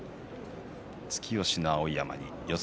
突き押しの碧山に四つ